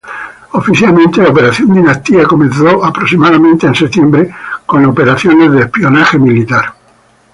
Oficialmente la Operación Dinastía comenzó aproximadamente en septiembre con operaciones de inteligencia militar.